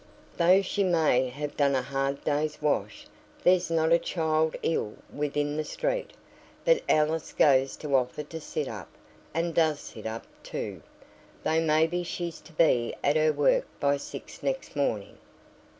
Though she may have done a hard day's wash, there's not a child ill within the street but Alice goes to offer to sit up, and does sit up too, though may be she's to be at her work by six next morning."